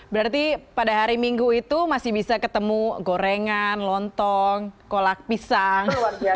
berarti pada hari minggu itu masih bisa ketemu gorengan lontong kolak pisang